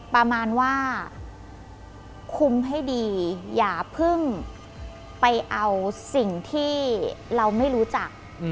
ประมาณว่าคุมให้ดีอย่าเพิ่งไปเอาสิ่งที่เราไม่รู้จัก